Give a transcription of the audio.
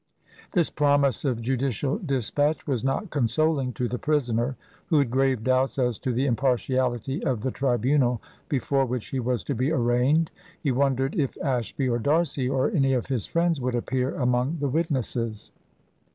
This promise of judicial dispatch was not consoling to the prisoner, who had grave doubts as to the impartiality of the tribunal before which he was to be arraigned. He wondered if Ashby, or D'Arcy, or any of his friends would appear among the witnesses.